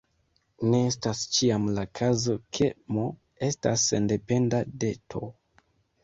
Ne estas ĉiam la kazo ke "m" estas sendependa de "t".